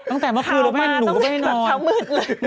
ตั้งแต่เมื่อคือเราไม่ยอมหนุ่มก็ไม่ให้นอน